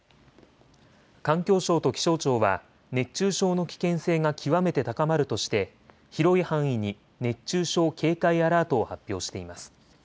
環境省と気象庁は熱中症の危険性が極めて高まるとして広い範囲に熱中症警戒アラートを発表しています。